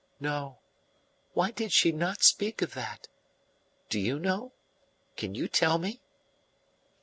"No. Why did she not speak of that? Do you know can you tell me?"